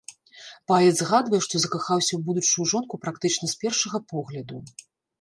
Паэт згадвае, што закахаўся ў будучую жонку практычна з першага погляду.